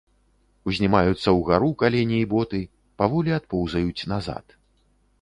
Узнімаюцца ўгару калені і боты, паволі адпоўзаюць назад.